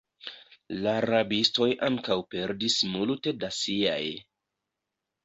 La rabistoj ankaŭ perdis multe da siaj.